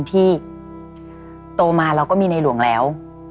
ที่โตมาเราก็มีในหลวงแล้ว